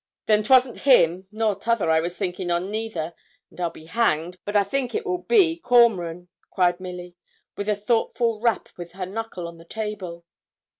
'Then 'twasn't him nor t'other I was thinking on, neither; and I'll be hanged but I think it will be Cormoran,' cried Milly, with a thoughtful rap with her knuckle on the table.